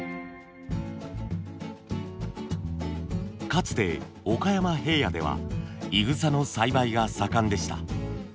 かつて岡山平野ではいぐさの栽培が盛んでした。